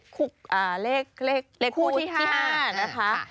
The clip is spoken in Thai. คู่ที่๕นะคะ